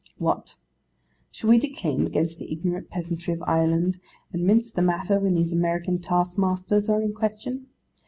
What! shall we declaim against the ignorant peasantry of Ireland, and mince the matter when these American taskmasters are in question?